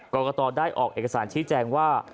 กรกตได้ออกเอกสารชี้แจงว่า